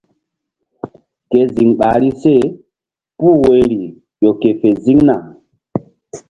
Ke ziŋ ɓahri se puh woyri ƴo ke fe ziŋna.